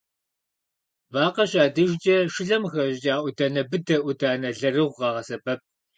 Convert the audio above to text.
Вакъэ щадыжкӏэ шылэм къыхэщӏыкӏа ӏуданэ быдэ, ӏуданэ лэрыгъу къагъэсэбэп.